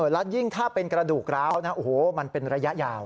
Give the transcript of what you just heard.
แล้วยิ่งถ้าเป็นกระดูกร้าวนะโอ้โหมันเป็นระยะยาว